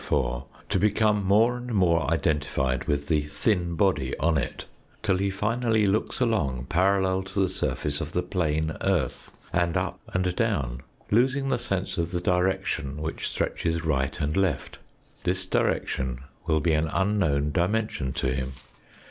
4, to become more and more identified with the thin body on it, till he finally looks along parallel to the surface of the plane earth, and up and down, losing the sense of the direction which stretches right and left. This direction will be an unknown dimension to him.